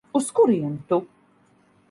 Uz kurieni tu?